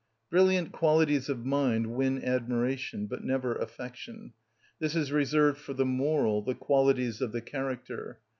Brilliant qualities of mind win admiration, but never affection; this is reserved for the moral, the qualities of the character.